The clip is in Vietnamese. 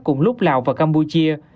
cùng lúc lào và campuchia